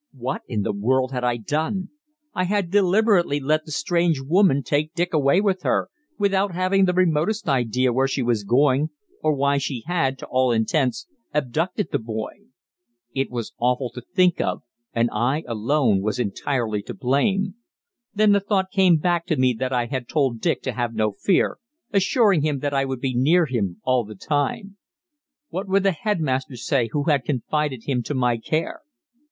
What in the world had I done! I had deliberately let the strange woman take Dick away with her, without having the remotest idea where she was going or why she had, to all intents, abducted the boy. It was awful to think of and I alone was entirely to blame! Then the thought came back to me that I had told Dick to have no fear, assuring him that I would be near him all the time. What would the headmaster say who had confided him to my care?